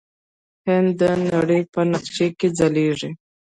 هند د نړۍ په نقشه کې ځلیږي.